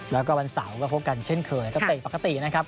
แล้วก็วันเสาร์ก็พบกันเช่นเคยก็เตะปกตินะครับ